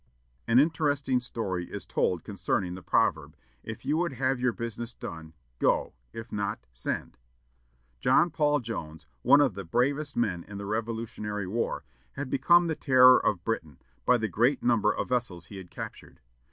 An interesting story is told concerning the proverb, "If you would have your business done, go; if not, send." John Paul Jones, one of the bravest men in the Revolutionary War, had become the terror of Britain, by the great number of vessels he had captured.